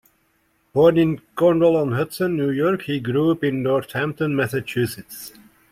Born in Cornwall-on-Hudson, New York, he grew up in Northampton, Massachusetts.